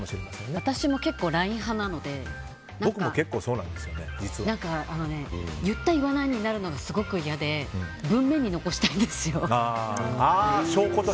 私も、結構、ＬＩＮＥ派なので何か言った言わないになるのがすごく嫌で文面に残したいんですよ。